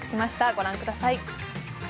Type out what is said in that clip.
ご覧ください。